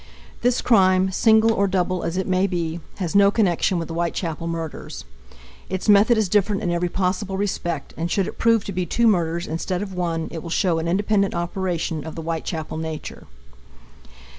This crime, single or double as it may be, has no connection with the Whitechapel murders. Its method is different in every possible respect, and should it prove to be two murders instead of one it will show an independent operation of the Whitechapel nature.